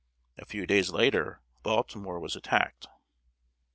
A few days later, Baltimore was attacked.